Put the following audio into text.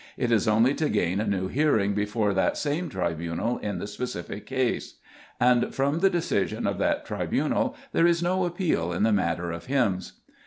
It is only to gain a new hearing before that same tribunal in the specific case. And from the decision of that tribunal there is no appeal in the matter of hymns.